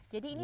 jadi ini dia